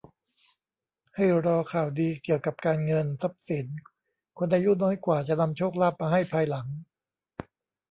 ให้รอข่าวดีเกี่ยวกับการเงิน ทรัพย์สิน คนอายุน้อยกว่าจะนำโชคลาภมาให้ภายหลัง